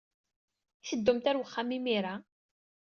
I teddumt ɣer wexxam imir-a?